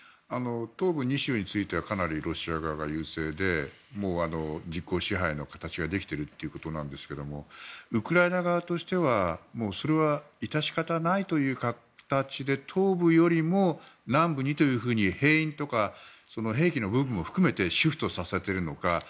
東部２州についてはかなりロシア側が優勢で、実効支配の形ができているということなんですけれどもウクライナ側としてはそれは致し方ないという形で東部よりも南部にというふうに兵員とか兵器の部分も含めてシフトさせているのか。